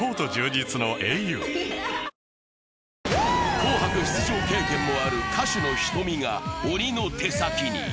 紅白出場経験もある歌手のｈｉｔｏｍｉが鬼の手先に。